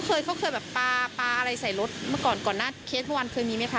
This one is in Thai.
เขาเคยปลาอะไรใส่รถเมื่อก่อนหน้าเคสเมื่อวานเคยมีไหมคะ